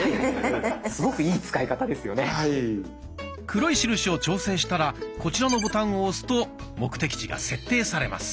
黒い印を調整したらこちらのボタンを押すと目的地が設定されます。